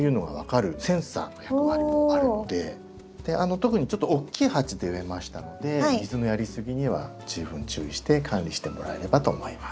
特にちょっと大きい鉢で植えましたので水のやりすぎには十分注意して管理してもらえればと思います。